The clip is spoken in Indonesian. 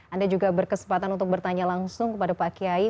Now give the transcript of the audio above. anda juga berkesempatan untuk bertanya langsung kepada pak kiai